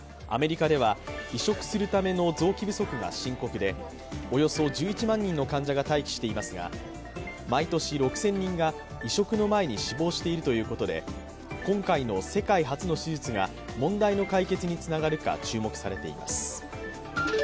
アメリカでは移植するための臓器不足が深刻でおよそ１１万人の患者が待機していますが、毎年６０００人が移植の前に死亡しているということで今回の世界初の手術が問題の解決につながるか注目されています。